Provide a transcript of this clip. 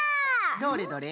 どれどれ？